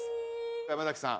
山崎さん